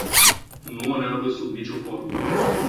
Nu o neagă sub nicio formă.